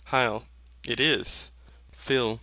It is. PHIL.